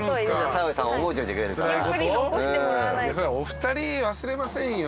お二人忘れませんよ